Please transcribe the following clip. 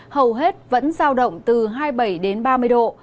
hầu hết vẫn giao động từ hai mươi bảy đến ba mươi độ